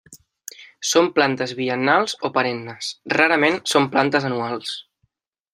Són plantes biennals o perennes, rarament són plantes anuals.